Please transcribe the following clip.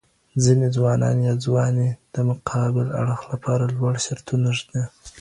ځيني ځوانان يا ځواناني د مقابل اړخ لپاره لوړ شرطونه ږدي